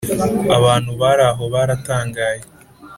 abantu bari aho baratangaye